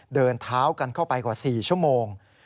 เดินเท้ากันเข้าไปกว่า๔ชั่วโมง